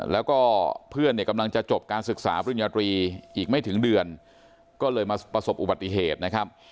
แล้วก็เพื่อนเนี่ยกำลังจะจบการศึกษาปริญญาตรีอีกไม่ถึงเดือนก็เลยมาประสบอุบัติเหตุนะครับ